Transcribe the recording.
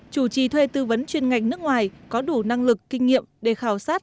chủ trì thuê tư vấn chuyên ngành nước ngoài có đủ năng lực kinh nghiệm để khảo sát